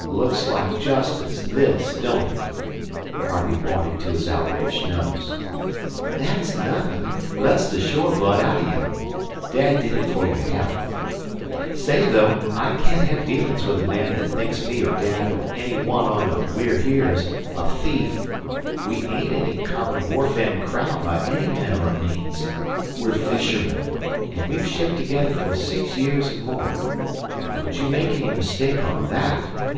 "Looks like justice, this, don't it?" Harvey pointed to his outraged nose. "Thet's nothin'. Lets the shore blood outer you. Dad did it for yer health. Say, though, I can't have dealin's with a man that thinks me or dad or any one on the We're Here's a thief. We ain't any common wharf end crowd by any manner o' means. We're fishermen, an' we've shipped together for six years an' more. Don't you make any mistake on that!